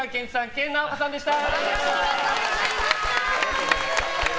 研ナオコさんでした。